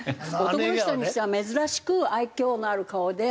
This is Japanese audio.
男の人にしては珍しく愛嬌のある顔で。